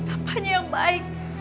apanya yang baik